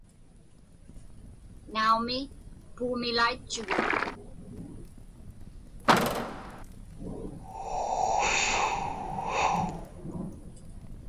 Naumi, puumilaitchuguk.